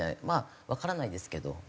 まあわからないですけど。